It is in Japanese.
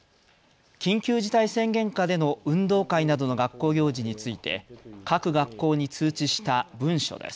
緊急事態宣言下での運動会などの学校行事について各学校に通知した文書です。